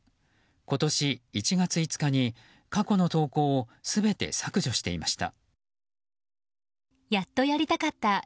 今年１月５日に過去の投稿を全て削除していました。